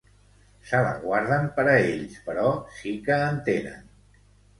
Se la guarden per a ells, però sí que en tenen.